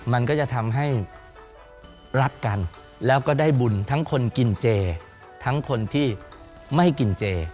มันก็จะทำให้รักกันแล้วก็ได้บุญทั้งคนกินเจทั้งคนที่ไม่กินเจ